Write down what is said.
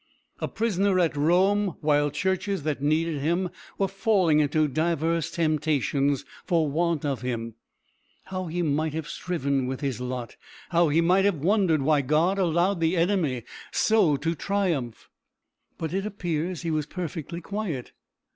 A prisoner at Rome while churches that needed him were falling into divers temptations for want of him how he might have striven with his lot, how he might have wondered why God allowed the enemy so to triumph. But it appears he was perfectly quiet.